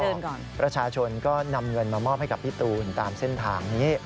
ประชาชนก็นำเงินมามอบให้กับพี่ตูนตามเส้นทางนี้